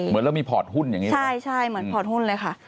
เหมือนเรามีพอร์ตหุ้นอย่างนี้ใช่เหมือนพอร์ตหุ้นเลยค่ะ